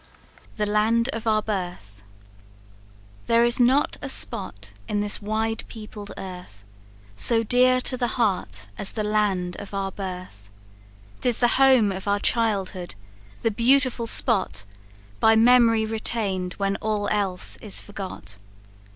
The Land Of Our Birth. "There is not a spot in this wide peopled earth, So dear to the heart as the land of our birth; 'Tis the home of our childhood! the beautiful spot By mem'ry retain'd when all else is forgot.